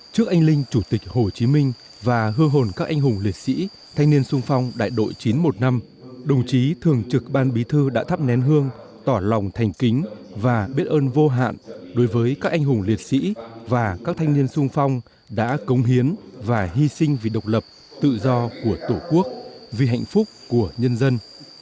trước anh linh chủ tịch hồ chí minh và hư hồn các anh hùng liệt sĩ thanh niên sung phong đại đội chín trăm một mươi năm đồng chí thường trực ban bí thư đã thắp nén hương tỏ lòng thành kính và biết ơn vô hạn đối với các anh hùng liệt sĩ và các thanh niên sung phong đã công hiến và hy sinh vì độc lập tự do của tổ quốc vì hạnh phúc của nhân dân